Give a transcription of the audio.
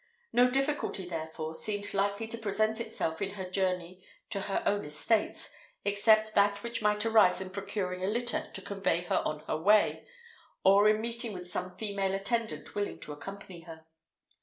No difficulty, therefore, seemed likely to present itself in her journey to her own estates, except that which might arise in procuring a litter to convey her on her way, or in meeting with some female attendant willing to accompany her.